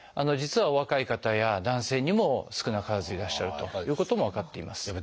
実はお若い方や男性にも少なからずいらっしゃるということも分かっています。